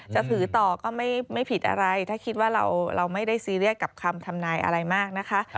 จะถือต่อก็ไม่ผิดอะไรถ้าคิดว่าเราไม่ได้ซีเรียสกับคำทำนายอะไรมากนะคะ